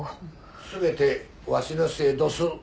全てわしのせいどす。